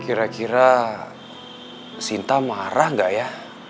kira kira sinta marah nggak ya